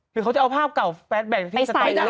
หรือเขาจะเอาภาพเก่าแฟสแบกไปใส่หรือเปล่า